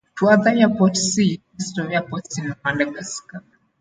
For other airports see: List of airports in Madagascar.